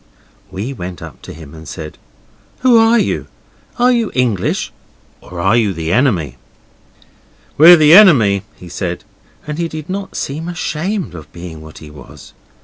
We went up to him and said, 'Who are you? Are you English, or are you the enemy?' 'We're the enemy,' he said, and he did not seem ashamed of being what he was.